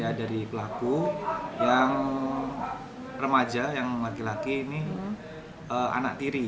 ya dari pelaku yang remaja yang laki laki ini anak tiri